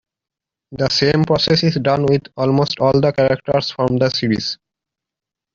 The same process is done with almost all the other characters from the series.